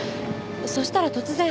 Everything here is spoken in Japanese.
そしたら突然。